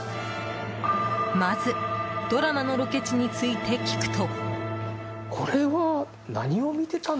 まず、ドラマのロケ地について聞くと。